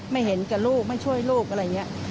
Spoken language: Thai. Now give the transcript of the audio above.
เห็นกับลูกไม่ช่วยลูกอะไรอย่างนี้